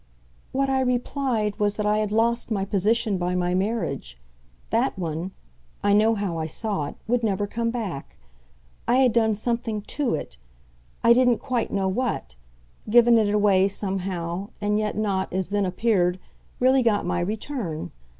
"What I replied was that I had lost my position by my marriage. THAT one I know how I saw it would never come back. I had done something TO it I didn't quite know what; given it away, somehow, and yet not, as then appeared, really got my return.